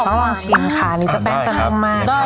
ก็ลองชิมค่ะอันนี้จะแป้งจะนุ่มมาก